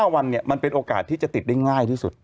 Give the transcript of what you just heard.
๕วันมันเป็นโอกาสที่จะติดได้ง่ายที่สุด